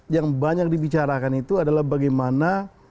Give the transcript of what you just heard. yang banyak dibicarakan itu adalah bagaimana